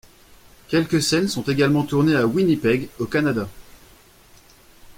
Quelques scènes sont également tournées à Winnipeg au Canada.